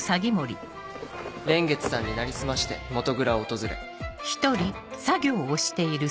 蓮月さんに成り済まして元蔵を訪れ。